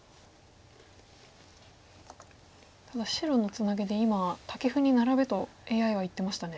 ただ白のツナギで今タケフにナラべとＡＩは言ってましたね。